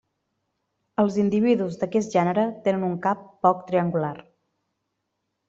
Els individus d'aquest gènere tenen un cap poc triangular.